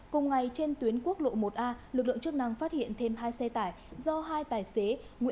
cùng ngày trên tuyến quốc lộ một a lực lượng chức năng phát hiện thêm hai xe tải do hai tài xế